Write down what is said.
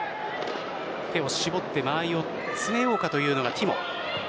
手を絞って間合いを詰めようかというのがティモ。